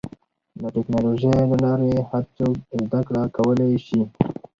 د ټکنالوجۍ له لارې هر څوک زدهکړه کولی شي.